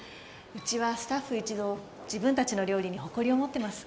うちはスタッフ一同自分たちの料理に誇りを持ってます。